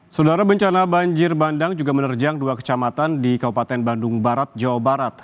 saudara bencana banjir bandang juga menerjang dua kecamatan di kabupaten bandung barat jawa barat